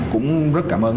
cũng rất cảm ơn